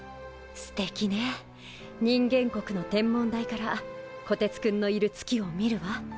人間国の天文台からこてつくんのいる月を見るわ。